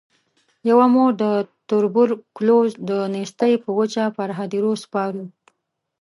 یوه مور د توبرکلوز د نیستۍ په وجه پر هدیرو سپارو.